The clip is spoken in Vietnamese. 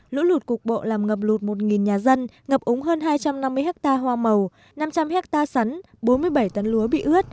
lũ lụt cục bộ làm ngập lụt một nhà dân ngập úng hơn hai trăm năm mươi ha hoa màu năm trăm linh hectare sắn bốn mươi bảy tấn lúa bị ướt